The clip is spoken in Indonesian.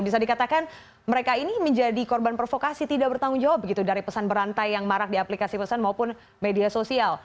bisa dikatakan mereka ini menjadi korban provokasi tidak bertanggung jawab begitu dari pesan berantai yang marak di aplikasi pesan maupun media sosial